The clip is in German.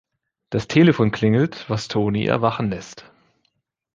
Das Telefon klingelt, was Tony erwachen lässt.